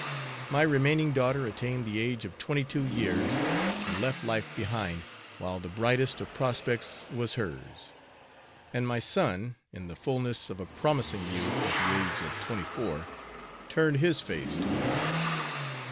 My remaining daughter attained the age of twenty two years, and left life behind, while the brightest of prospects was hers, and my son, in the fullness of a promising youth, at the age of twenty four, "turned his face to the wall."